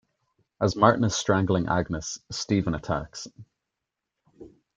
As Martin is strangling Agnes, Steven attacks.